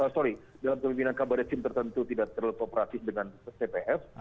sorry dalam pemimpinan kabar resim tertentu tidak terlalu kooperatif dengan tpf